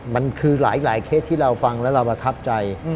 มันคือหลายเคสที่เราฟังแล้วเราประทับใจ